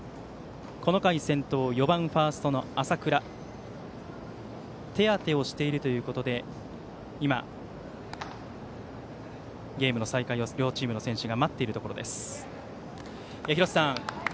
この回先頭４番ファーストの浅倉が手当てをしているということで今、ゲームの再開を両チームの選手が待っているところです。